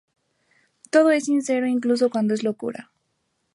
Todo es sincero incluso cuando es una locura".